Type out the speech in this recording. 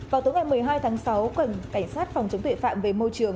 vào tối ngày một mươi hai tháng sáu cảnh sát phòng chống tuệ phạm về môi trường